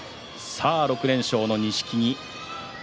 ６連勝の錦木。